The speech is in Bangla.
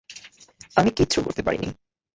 আমি কিচ্ছু করতে পারিনি!